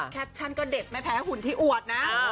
แคปชั่นก็เด็ดไม่แพ้หุ่นที่อวดนะ